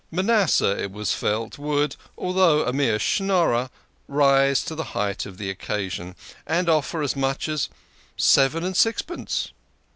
Ma nasseh, it was felt, would, although a mere Schnorrer, rise to the height of the occasion, and offer as much as seven and sixpence.